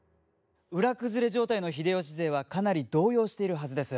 裏崩れ状態の秀吉勢はかなり動揺しているはずです。